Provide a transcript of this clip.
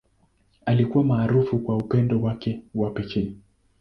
Alikuwa maarufu kwa upendo wake wa pekee.